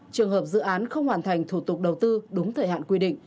trường hợp dự án không hoàn thành thủ tục đầu tư đúng thời hạn quy định